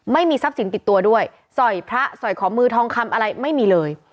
ไม่มีทรัพย์สินติดตัวด้วยสอยพระสอยขอมือทองคำอะไรไม่มีเลย